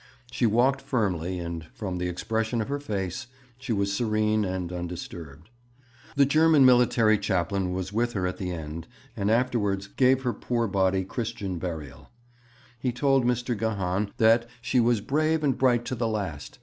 She walked firmly, and, from the expression of her face, she was serene and undisturbed. The German military chaplain was with her at the end, and afterwards gave her poor body Christian burial. He told Mr. Gahan that 'she was brave and bright to the last.